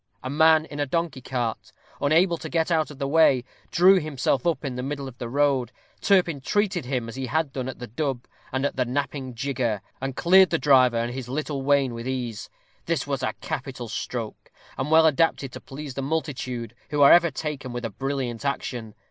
A man in a donkey cart, unable to get out of the way, drew himself up in the middle of the road. Turpin treated him as he had done the dub at the knapping jigger, and cleared the driver and his little wain with ease. This was a capital stroke, and well adapted to please the multitude, who are ever taken with a brilliant action.